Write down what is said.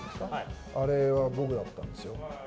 あれは僕だったんですよ。